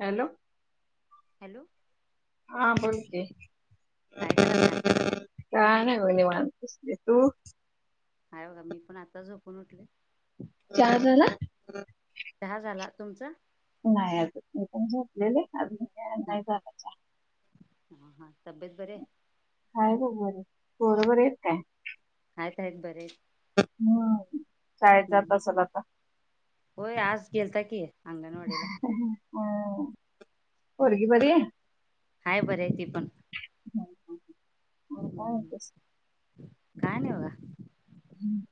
Hello, hello हा बोल की, काय करायलाय काय नाही [unintelligible] [unintelligible] आहेय बघा मी पण आता झोपून उठले. चहा झाला? चहा झाला तुमचा? नाही अजून मी पण झोपलेले. हा हा हा तब्येत बरे [unintelligible] बरोबर येत काय? आहेत आहेत बरे. हम्म शाळेत ह जात असेल आता होय आज गेलता कि, अंगणवाडीला. ह हम्म. पोरगी बरी हाय. हाय बरी हाय तीप पण मग काय हम्म. म्हणतेस काय. काय नाही बघा. हम.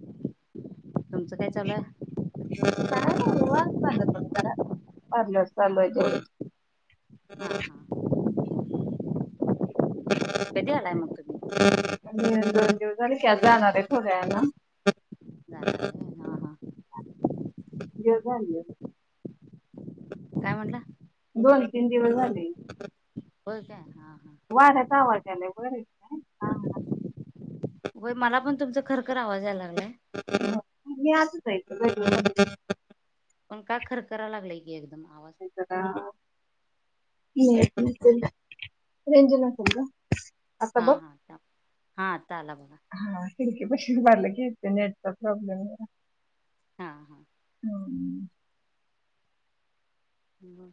तुमचं काय चालूय? हा हा हा [unintelligible] कधी [unintelligible] आलाय मग तुम्ही दोन दिव झाले की, जाणार आहे पुण्याला. जाणार आहे होय? हा हा य झा [inaudible] काय म्हंटला. दोन तीन दिवस झाले. हो काय हा. हा वाऱ्याचा आवाज द्यायला वर आहेत. होय मला पण तुमचा खर खरखरआवाज यायला लागलाय. हा. [inaudible] पण का खरकरा लागलंय की एकदम. आवाज म रेंजना स. [unintelligible] हा हा डब. हात. आला बघा. खिडकीपाशी उभारले की इथं नेटचा प्रॉब्लेम आहे. हा हा.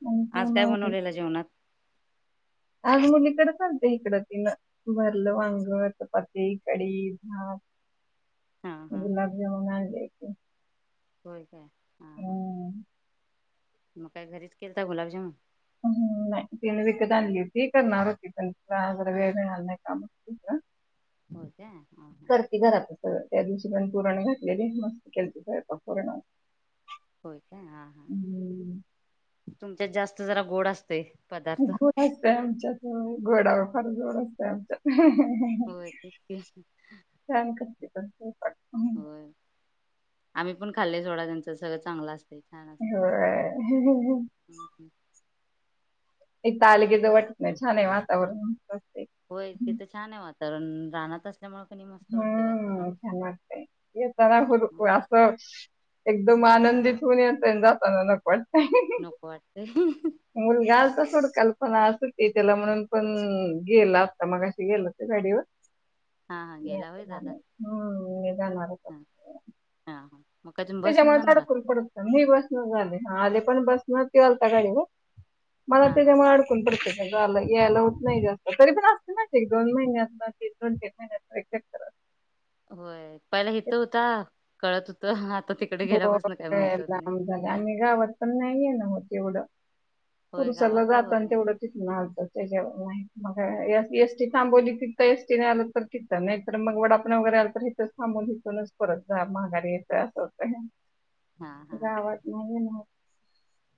आणि आज काय मग बनवलेलं जेवणात. आज मुलीकडेच आलते इकडं तिनं भरलं वांगट चपात कडी भात. हा हा गुलाबजमुन आहे. होय काय. हा हा. हम्म. मग काय घरीच केलता गुलाबजमुन. हम् नाही तीन विकत आणली होती, करणार होती पण त जरा वेळ मिणार नाही काम होती आ. होय काय हा हा करती घरातीलं सगळं. त्या दिवशी पण पुरण घातलेली मस्त केलता स्वयंपाक पुरणाचा. होय काय हा हा तुमच्या जास्त जरा गोड असते. घोड असतय आमच्यात घोडावर. खारजवळ असते आमच होय तेच की [unintelligible] ह ह हो आम्ही पण खाल्ले सोडा त्यांचं सगळं चांगलं असत. हो हम्म हम्म तालगेज वाटत नाही छान आहे वातावरण असतंय. तर राहतच हम्म होर अस असं. एकदम आनंदित होऊन येेत ये जाताना न पण नको वाटतय मुलगा तर सोड कल्पना अस. ते त्याला म्हणून पण गेल आता मग अे गेल ते गाडीवर हा हा गेला होय दादा नाही हम्म म जाणार हा हा हा मग काय तुम्ही बसन त्याच्यामुळे जाणार थोडा आहात कुल पड मी बस झाले आ पण बसणार ते आलता गाडीवर मला हा हा तेच्यामुळे अडकून पडत लं यायला होत नाही जास्त तरी पण असतते ना दोन महिन्यात तीन दोन तीन महिन्यातक् होय पहिला हथ होता. कळत होतं ह... हो लाब झालं आणि् गावात पण नाही ये ना होत. वड होय गावात पुरुषला काय जात होत आणि नाही तेवढं तिथूनलतं त्याच्यावर माहि मग एसटी थांबवली तिथं एसटी नाही आलं तर तिथं नाहीत तर मग वडा आपण वगैरे आलं तर हिथच थांबवून हिथूनच परत महागारी येत असं ह.. हा हा गावात नाही.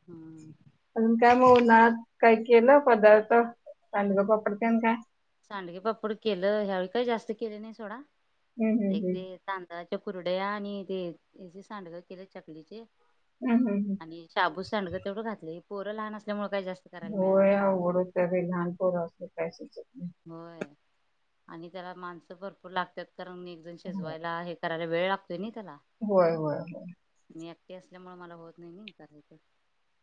हम्म... अजून 'काय मना काय केलं पदार्थ सांडग पापडतन काय, सांडगे पापूड केलं ह्यावेळी काही जास्त केले नाही सोडा हम्म हम्म एक ते हम्म दा कुरड्या आणि तेे सांडगा केले चकलीचे हम् हम् हम् ांड तेवढं घातलं पोरं लहानल्यामुळ होघड काही लहानपोर अस, होय आणि त्याला माणसं भरपूर लागतात. कारण मी एक जण शेजवायला आहे. त वेळ दनी तला, होय होय होय होय. असल्यामुळे मला होत नाही. नाही करायच,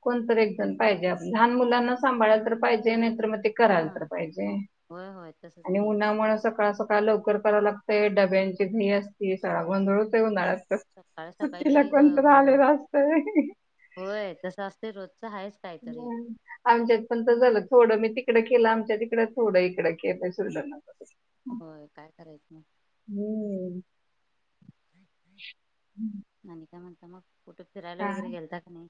कोणत एकजण पाहिजे, लहान मुलांना सांभाळला तर पाहिजे. नर मग ते कराल हा तर पाहिजे होय होय तसच आणि की उन्हामुळेळ सकाळ सकाळ लवकर. कराव लागत डब्यांची घी असती सड मंधळ तेऊणार, सकाळ सकाळी सुट्टीला लई कोण ग- तर गोंधळ होत. रालेलं असत. ते रोज ह आमच्यात पण तर झालं थोडं मी ते इकड केला आमच्या तिकडं थोडं इकडं केल. होय काय करायचं ना. हम्म नाही नाही म्हणताना त्यां मग कुठे फिरायला हा वगैरे गेलता का नाही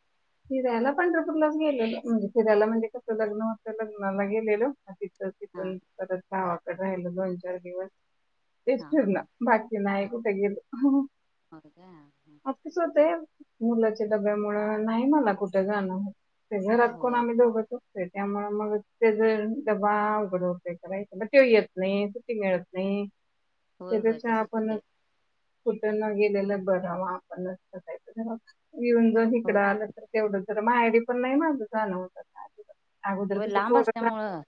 फिरायला पंढरपूरला गेलेलो. म्हणजे फिरायला म्हणजे कसं लग्न होतं लग्नाला गेलेलो. तिथं तिथ हा परत गावाकडे राहिलं दोन चार दिवस. तेच हा हा फिरणं बाकी नाही बघ. तिथे गेलो. हो का. असंच होतंय मुलाच्या डब्यामुळे नाही मला कुठे जाणं होत. ते घरात कोण होय आम्ही दोघच असतो. त्यामुळे मग त्या ज डबा उघड उ करायचं मग ते येत नाही सुट्टी मिळत नाही. होय होय त्यापेक्षा तसच होतय आपणच? कुठं न गेलेला बरावा आपणच. येऊन जाऊन इकडं होय आलं तर तेवढंच. तर माहेरी पण नाही माझं जाणं होत माझं आता. अगोदर होय कसं लांब पोराला लहान असल्यामुळं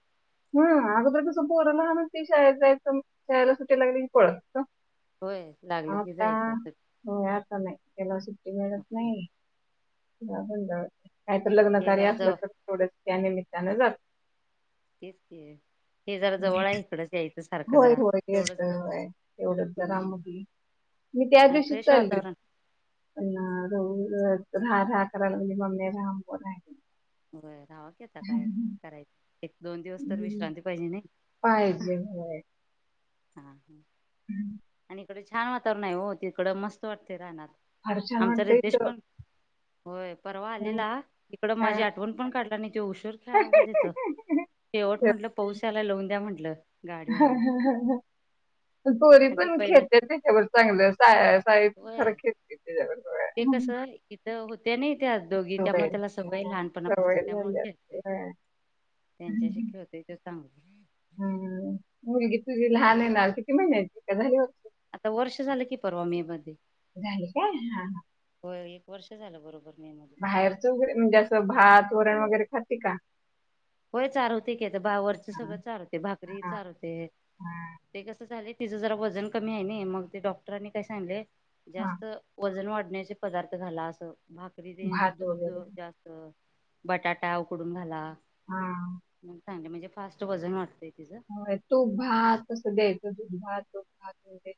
हम्म अगोदर कसं पोर लहान असती शाळेत जायचं शाळेला सुट्या लागलं कि पळत होतो. होय लागलं की जायचं सु होय आता नाही त्याला सुट्टी मिळत [unintelligible] काय तर हे लग्नकार्य जरा असलं जवळ तर तेवढंच. त्या निमित्तानं जा तेच कि हे जरा जवळ आहे इकडच यायचं. सारखं होय जरा होय तेवढंच येतोय. व्हय एवढच जरा हम्म मुगी मी त्या आणि दिवशीच फ्रेश चालली होती. वातावरण पण [unintelligible] होय रहावा की आता काय राहा करायचं? दोन दिवस तर हं, विश्रांती पाहिजे नाही. हा पाहिजे व्हय. हा हम्म हम्म तिकडे छान वातावरण आहे हो, तिकडं मस्त वाटतय रानात. फार छान आमचा वाटतंय रितेश तर. पण होय परवा हं, आलेला इकड माझी हां. आठ काढला नाही. तो उशीर खेळालता तिथं शेवट म्हटलं पाऊस यायला लावून द्या म्हटलं गाडीवरन पोरी आणि ते पण पहिला खेळत्या त्यांच्यावर चांगलं साय साई होय खर खेतते त्याच्यावर. ते सगळं. कस इथं होत्या नहीत दोघी त्यामुळे सवय त्याला सवय हं, लहानपणापासन सवय त्यामुळे झाली आता. खेळतय होय. त्यांच्याशी खेळतय तो चांगलं. काल किती महिन्याची झाली आता वर्ष झालं की परवा मे मध्ये. झाली का हा ह एक वर्ष झालं बरोबर. मे मध्ये बाहेरच वगैरे म्हणजे असं भात वरण वगैरे खातिका होय चारवते की आ बा वरच हां, सगळं चारवते भाकरी हां, चारवते हां, ते कसं चाले तिचं जरा वजन कमी आहे नाही मग ते डॉक्टरांनी काय सांगीतले हां. जास्त वजन वाढत. पिण्याचे पदार्थ घाला असं भाकरीदे भात दूध वगैरे. जास्त बटाटा उकडून घाला. [inaudible] हां. चांगले म्हणजे फास्ट वजन वाढतय. होय तूप भात अस द्यायच दूध भात, तूप भात वगैरे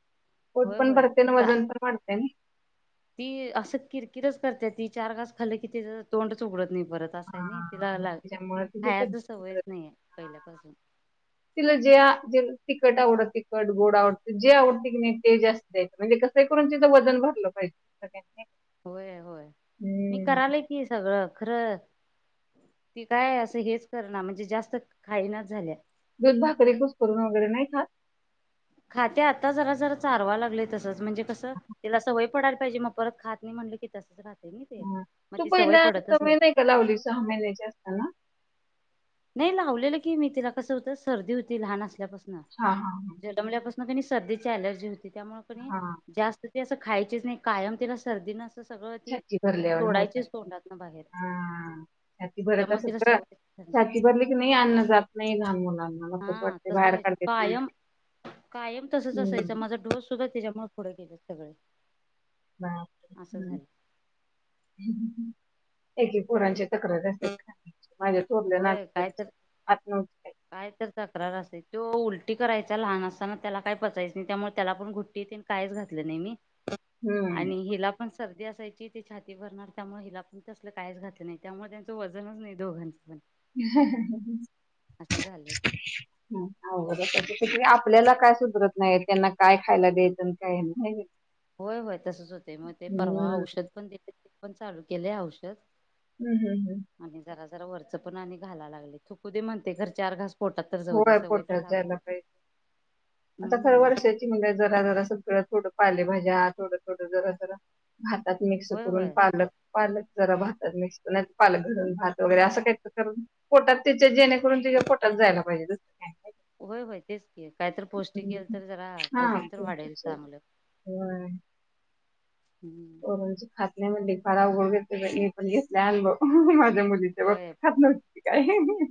[unintelligible] पोट होय पण होय भरते ना वजन पण वाढते नई ती असं किरकिरच करते ती चार घास खाल्ल की तिज तोंड च उघडत नाई. हा त्याच्यामुळे खायच सवयच [unintelligible] नाही पहिल्यापासून तिला ज्या तिखट आवडत तिखट गोड आवडते जे आवडते की नाही ते जास्त द्यायचं होतं म्हणजे कसं करून तिचं वजन भरलं पाहिजे सगळ्यांनी होय होय मी करालय की सगळं खरं ती काय असं हेच करणार म्हणजे जास्त खाईनाच झाल्या दूध भाकरी कुस्करून वगैरे नाही खात खाते आता जरा जर चारवा लागलय तसच म्हणजे कसं तिला सवय पडायला पाहिजे मग परत खात नाही म्हणलं की तसच राहत तू पहिला सवय नाय का लावलीस सहा महिन्याची असताना नाही लावलेलं की मी तिला कसं होतं सर्दी होती लहान अस पास्नं हा हा हा जलमल्यापासन तिनी सर्दी चि एलर्जी हो ती त्यामुळ कनय हा जास्त ती असं खायचीच नाही कायम त्याला सर्दी न छाती भरल्यावाणं होत बाहेर हां छाती भरत त्यामुळे अस तिला तर सवय भरली की नाही अन्न जात नाही लहान मुलां हा तसं व्हायचं कायम कायम तसच असायचं हम्म, माझा डोस सुद्धा त्याज्यामुळ पुढे गेलेत सगळे बाप असं रे झालं हम्म एक एक पोरांच्या तक्रारी असतात माझ्या थोरल्या होय नातीच काय तस तर खात नव्हती काय त्यो उलटी करायचा लहान असताना त्याला काय पचायचं नाही त्यामुळे त्याला पण घुट्टीतेन कायच घातलं नाय मी हम्म आणि हिला पण सर्दी असायची ती छाती भरणार त्यामुळ हिला पण तसलं काहीच घातलं नाही त्यामुळे त्यांचं वजनच नाही दोघांच [inaudible] असं झालंय आपल्याला काय सुधरत नाही त्यांना काय खायला द्यायचं आणि काय नाय होय होय तसच होतय म ते परवा हम्म. औषध पण दि पण चालू केले औषध हम्म हम्म हम्म आणि जरा जरा वरच पण आणि घाला लागलय थूकु दे म्हणते घर चार घास पोटात तर जाऊ दे होय सवय तर पोटात लागू जायला दे. पाहिजे आता खरं हम्म. वर्षाची म काय जरा जरा काय थोडं पाले भाज्या थोडं थोडं जरा जरा भातात मिक्स होय करून होय पालक पालक जरा भातात मिक्स कर पालक घरून भात वगैरे असं काही कर पोटात तिच्या जेणेकरून तिच्या पोटात जायला व होय होय तेच कायत पौष्टिक नाही. येईल तर जरा हा वजन तर वाढेल चांगलं हम्म. हो म्हणजे खात म्हणट परा हगरतव पणसल्या मी पण घेतला अनुभव मुली ते बघ होय ख ह ह.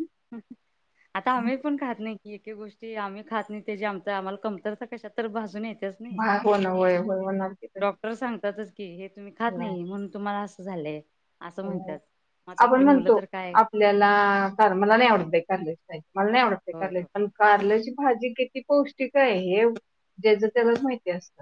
आता आम्ही पण खात नाही एके गोष्टी आम्ही खात नाही ते जे आमच्या आम्हाला कमतरता कशात तर भाजून येत भागव न वय म डॉक्टर सांगतातच की हे तुम्ही खात नाही म्हणून तम्हा बाळ आसं झालंय असं म्हणतात. मग आता आपण आपली मुलं म्हणतो तर काय आपल्याला कारण मला नाही आवडत बाई कारल्याची भाजी मला नाही आवडत ते होय. कारले पण कारल्याची भाजी किती पौष्टिक आहे हे जेच त्यालाच माहिती असत.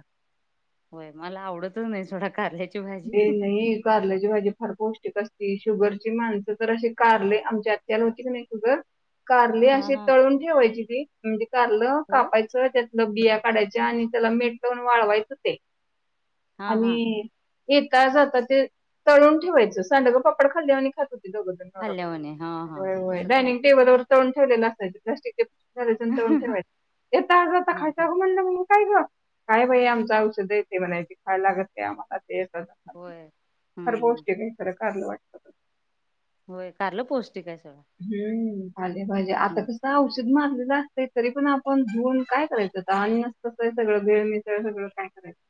होय मला आवडतच नाही सोडा कारल्या हे नाही कारल्याची भाजी फार पौष्टिक असत ते शुगरची माणसं तर असे कारले आमच्या आत्याला होतीकणी शुगर कारली हा आशी हा. तळून ठेवायची ती म्हणजे कारल होय कापायचं त्यातलं बिया काढायच्या आणि त्याला मीट लाऊन वाळवायचं ते हा आणि हा येता जाता ते तळून ठेवायचं सांडग पापड खाल्यावाणी खातात. तिनी दोघजन नवरा खाल्ल्यावाणी हा बायको हा व्हय व्हय तसं डायनिंग खायच्या टेबलवर तळून ठेवलेलं असायचं प्लास्टिक ते फरसाण टाळून ठेवायच हा ये ताज आता खायचं हा काय म्हटलं म काय गं काय बाई आमच औषध येतय म्हणायची खायला लागत नाही आम्हाला ते होय हर हम्म गोष्टी काहीतर कारल वाट होय कारलं पौष्टिक हाय हम् पालेभाज्या आता कस औषध मार जरा असतया तरी पण आपण घेवून काय करायचं आता मी असतो तर सगळं भेळ, मिसळ सगळं काय करायचं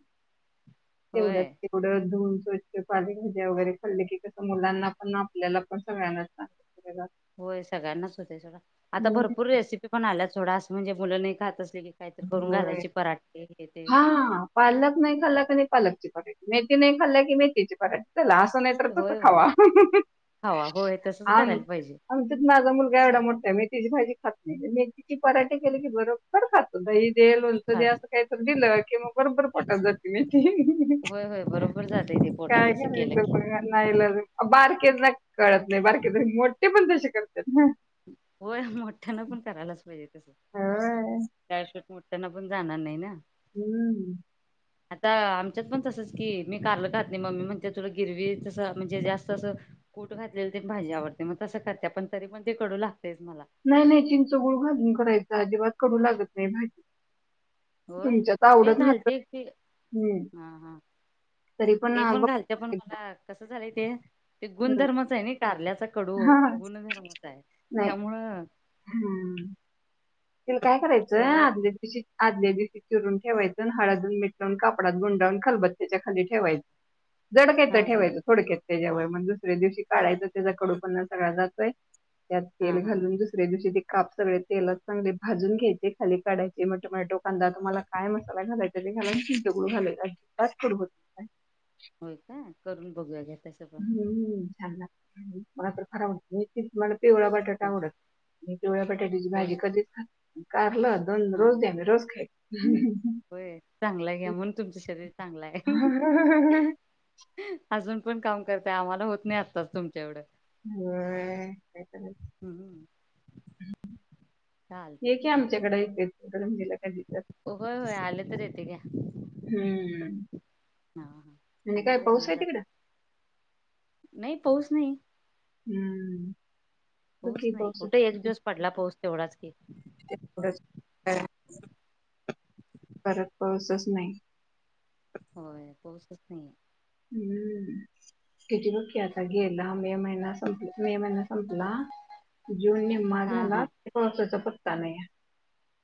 तेवढं होय तेवढं धुवून खरचं की पाले भाज्या वगैरे खल्ले कि कसं मुलांना पण आपल्याला पण सगळ्यांनाच सांगितल जात होय सगळ्यांनाच होतय सोडा आता भरपूर रेसिपी पण आल्याच थोड आस म्हणजे मुलं नाही खातच होय ते हा पालक नाही खालकनी पालकची मेथी नाही खल्ल कि मेथीची पराठे असं नाही तर तच होय होय खावा खावा होय तसच आम करायला पाहिजे आमच्यात माझा मुलगा एवढा मोठा मेथीची भाजी खात नाही मेथीचे पराठे केले की बरोबर खात दही लोणचे दया खात असं कायतर दिलं कि मग बरोबर पोटात जाते मेथी होय होय बरोबर जातय ते काय पोटात तसं केलं करायचं की बघा नाईलाज आओ बारकेेच ना कळत नाही बारकेेत मोठे पण तशे होय मोठ्याना पण करायलाच पाहिजेत. तस होय. चारशट्ट मटताना पण जाणार नाही ना हम्म आता आमच्यात पण तसच की मी कारल घातली मम्मी म्हण त्या थडं गिरवी तसं म्हणजे जास्त असं कूट घातलेलं ते भाजी आवडते मग तसं करते पण तरी पण ते कडू ला नाही चिंच गुळू भाजून करायच अजिबात करू लागत नाही भाजी होय तुमच्यात ते आवडत नसेल. घालते ते हं. हा हा तरी ते अ, पण बघ घालते पण एकदा मला कसं झालंय ते ते हं. गुणधर्मच आहे नाही कारल्याचा कडू हां. गुणधर्मच आहे त्यामुळ हम्म तला काय करायचं कडू आहे आशी आदल्या दिवशी चिरून ठेवायचे हळद मीठ लावून कापडात गुंडावून खलबततेच्या खाली ठेवायच जड काहीतरी हा हा ठेवायचं थोडक्यात तेय म्हणज दुसऱ्यादिवशी हा काढायच त्याच्या कडू पणा सगळ्या जातोय. त्यात हा तेल हा घालून दुसऱ्या दिवशी ते काप सगळ तेल चांगले भाजून घ्यायचे खाली काढायचे मग टोमॅटो कांदा तुम्हाला काय मसाला घालायचा ते घालून चिंचा गुळ घालायचा हो अजिबात कडू होत नाही. होय का करून बघूया. तसं पण हम्म हम्म छान लागतं मला तर फार आवडते पिवळा बटाटा हो उडत पिवळ्या बटाट्याची होय भाजी कधीच खात काय? दोन हा रोज द्या मी रोज खा [unintelligible] होय चांगलं घ्या म्हणून तुमचं शरीर चांगलं आहे अजून पण काम करते आम्हाला होत नाही आत्ताच तुमच्या एवढं होय, काय करायचं? हम्म हम्म चालते ये की आमच्याकडे येते. [unintelligible] काय दात होय होय आलं तर येते घ्या हम्म हा हा म्हणजे आलं काय तर पाऊस येऊन आहे तिकड जाते नाही पाऊस नाही. हम्म बघ पाऊस की नाही कुठे एक किती दिवस पडला पोच तेवढाच की परक पाऊसच नाही होय पोसच नाहीे. हम्म किती रोखी आता गेला मे महिना संपला मे महिना संपला जून निम्मा हा हा झालासा प पत्ता नाही